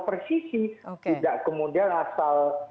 persisi tidak kemudian asal